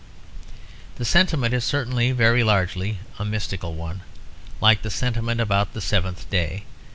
The sentiment is certainly very largely a mystical one, like the sentiment about the seventh day.